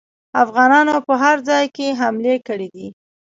افغانانو په هر ځای کې حملې کړي دي.